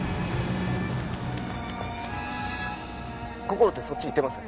こころってそっち行ってます？